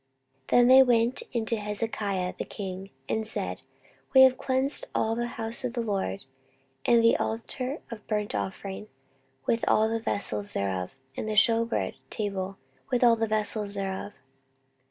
14:029:018 Then they went in to Hezekiah the king, and said, We have cleansed all the house of the LORD, and the altar of burnt offering, with all the vessels thereof, and the shewbread table, with all the vessels thereof.